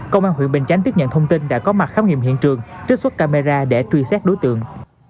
công an huyện bình chánh tiếp nhận thông tin đã có mặt khám nghiệm hiện trường trích xuất camera để truy xét đối tượng